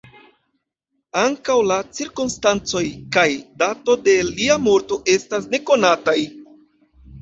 Ankaŭ la cirkonstancoj kaj dato de lia morto estas nekonataj.